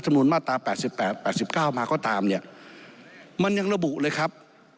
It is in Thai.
เท่ามาก็ตามเนี่ยมันยังระบุเลยครับ